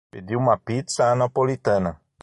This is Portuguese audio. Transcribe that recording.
Pediu uma pizza à napolitana